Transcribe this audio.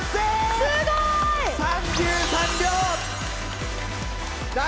すごい！３３秒！